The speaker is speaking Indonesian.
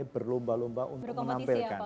berlomba lomba untuk menampilkan